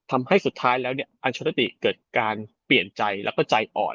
ทำให้สุดท้ายแล้วเนี่ยอัลชติเกิดการเปลี่ยนใจแล้วก็ใจอ่อน